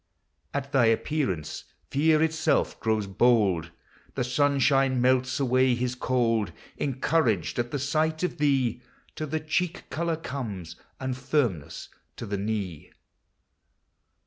At thy appearance, Fear itself grows bold; The sunshine melts away his cold. Encouraged at the sight of thee To the cheek color comes, and firmness to the knee.